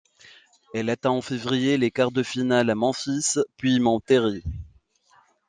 Elle atteint en février les quarts-de-finale à Memphis puis Monterrey.